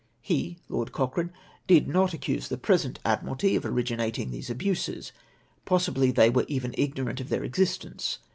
" He (Lord Cochrane) did not accuse the present Admiralty of originating these abuses ; possibly they were even ignorant of their existence.